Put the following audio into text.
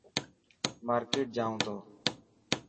مارڪيٽ جائون تو.